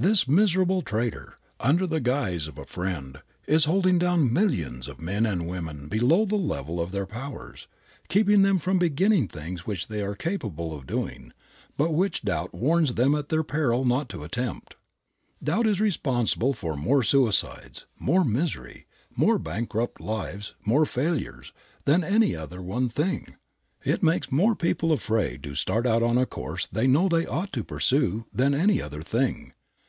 This miserable traitor, under the guise of a friend, is holding down millions of men and women below the level of their powers, keeping them from beginning things which they are capable of doing, but which doubt warns them at their peril not to attempt. Doubt is responsible for more suicides, more misery, more bankrupt lives, more failures, than any other one thing. It makes more people afraid to start out on a course they know they ought to pursue than any other thing.